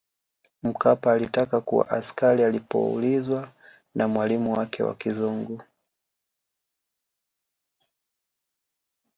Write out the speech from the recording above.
Mkapa alitaka kuwa askari Alipoulizwa na mwalimu wake wa kizungu